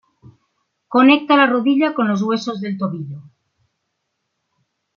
Conecta la rodilla con los huesos del tobillo.